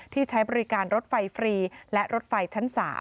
ใช้บริการรถไฟฟรีและรถไฟชั้น๓